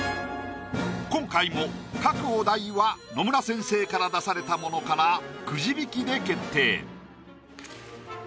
今回も描くお題は野村先生から出されたものからくじ引きで決定。